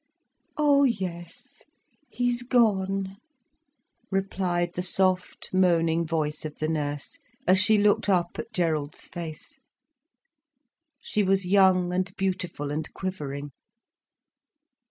"Oh yes, he's gone," replied the soft, moaning voice of the nurse, as she looked up at Gerald's face. She was young and beautiful and quivering.